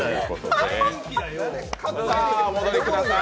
では、お戻りください。